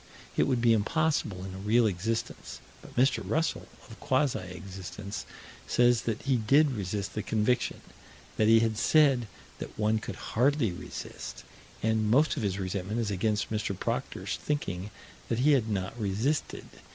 It would be impossible in a real existence, but Mr. Russell, of quasi existence, says that he did resist the conviction; that he had said that one could "hardly resist"; and most of his resentment is against Mr. Proctor's thinking that he had not resisted.